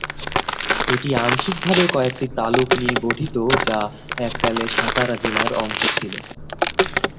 এটি আংশিকভাবে কয়েকটি তালুক নিয়ে গঠিত যা এককালে সাতারা জেলার অংশ ছিল।